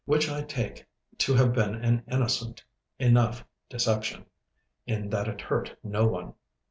Which I take to have been an innocent enough deception, in that it hurt no one.